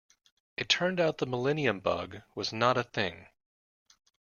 It turned out the millennium bug was not a thing.